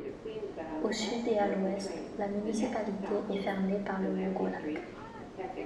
Au sud et à l'ouest, la municipalité est fermée par le mont Golak.